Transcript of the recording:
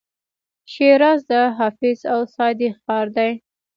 شیراز د حافظ او سعدي ښار دی.